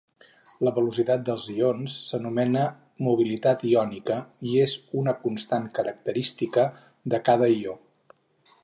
La velocitat dels ions s'anomena mobilitat iònica i és una constant característica de cada ió.